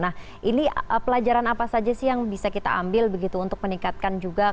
nah ini pelajaran apa saja sih yang bisa kita ambil begitu untuk meningkatkan juga